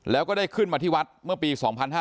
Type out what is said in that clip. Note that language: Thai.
แล้วก็ได้ขึ้นมาที่วัดเมื่อปี๒๕๕๙